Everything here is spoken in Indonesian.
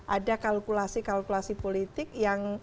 ada kalkulasi kalkulasi politik yang